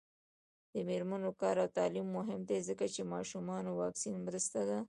د میرمنو کار او تعلیم مهم دی ځکه چې ماشومانو واکسین مرسته ده.